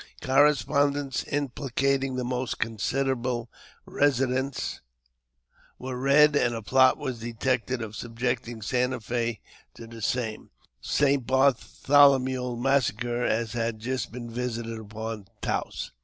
Correspondence, implicating the most considerable residents, was read, and a plot wa detected of subjecting Santa Fe to the same St. Bartholome massacre as had just been visited upon Taos.